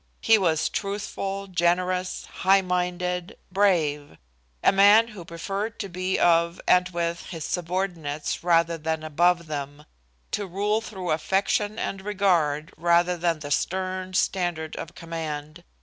He was truthful, generous, high minded, brave a man who preferred to be of and with his subordinates rather than above them to rule through affection and regard rather than the stern standard of command.